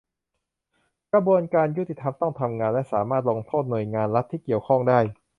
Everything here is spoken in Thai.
กระบวนการยุติธรรมต้องทำงานและสามารถลงโทษหน่วยงานรัฐที่เกี่ยวข้องได้